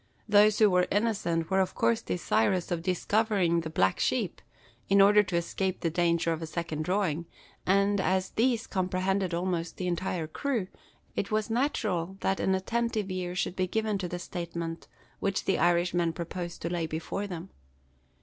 Those who were innocent were of course desirous of discovering the "black sheep," in order to escape the danger of a second drawing, and, as these comprehended almost the entire crew, it was natural that an attentive ear should be given to the statement which the Irishman proposed to lay before them.